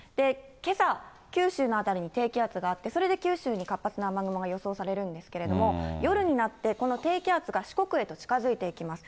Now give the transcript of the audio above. けさ、九州の辺りに低気圧があって、それで九州に活発な雨雲が予想されるんですけれども、夜になってこの低気圧が四国へと近づいていきます。